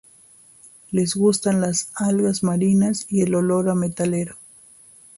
Les gustan las algas marinas y el olor a Metalero.